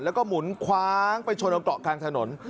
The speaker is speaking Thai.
แล้วก็หมุนคว้างไปชนเอาเกาะกลางถนน